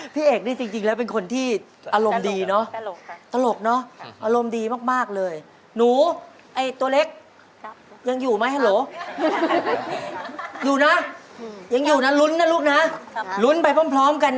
พร้อมเลยครับค่ะ